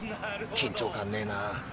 緊張感ねえな。